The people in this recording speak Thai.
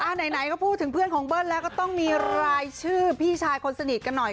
ไหนก็พูดถึงเพื่อนของเบิ้ลแล้วก็ต้องมีรายชื่อพี่ชายคนสนิทกันหน่อย